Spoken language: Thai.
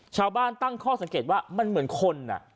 ชาวบ้านตั้งข้อสังเกตว่ามันเหมือนคน